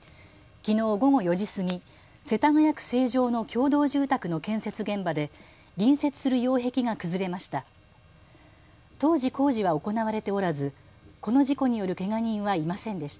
きのう午後４時過ぎ世田谷区成城の共同住宅の建設現場で隣接する擁壁が崩れました。